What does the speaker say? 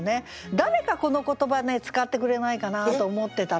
誰かこの言葉ね使ってくれないかなと思ってたら。